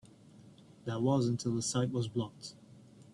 That was until the site was blocked.